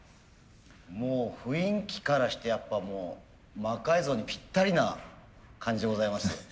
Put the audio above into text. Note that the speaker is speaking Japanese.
もう雰囲気からしてやっぱもう魔改造にぴったりな感じでございますね。